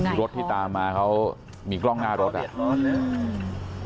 นู้นฮะโอ้ยรถที่ตามมาเขามีกล้องหน้ารถอ่ะอืม